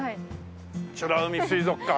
美ら海水族館